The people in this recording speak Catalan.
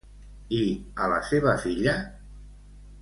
I a la seva filla?